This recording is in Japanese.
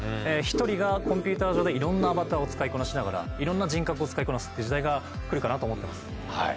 １人がコンピューター上でいろんなアバターを使いこなしながらいろんな人格を使いこなすって時代が来るかなと思ってます。